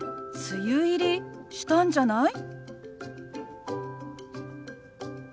梅雨入りしたんじゃない？